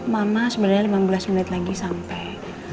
mama sebenarnya lima belas menit lagi sampai